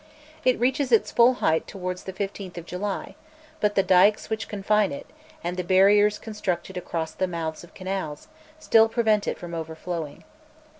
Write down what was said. It reaches its full height towards the 15th of July; but the dykes which confine it, and the barriers constructed across the mouths of canals, still prevent it from overflowing.